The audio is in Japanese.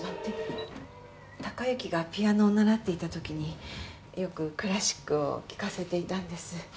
貴之がピアノを習っていたときによくクラシックを聞かせていたんです。